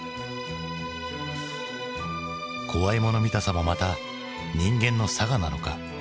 怖いもの見たさもまた人間のさがなのか。